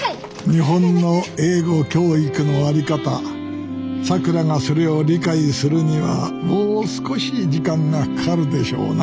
日本の英語教育のあり方さくらがそれを理解するにはもう少し時間がかかるでしょうな